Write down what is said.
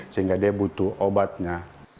sehingga dia butuh obatnya